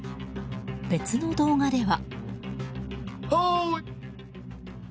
別の動画では。